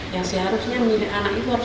yang seharusnya milik anak itu harus